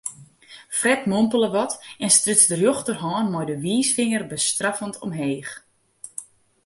Fred mompele wat en stuts de rjochterhân mei de wiisfinger bestraffend omheech.